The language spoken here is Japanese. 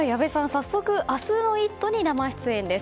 早速、明日の「イット！」に生出演です。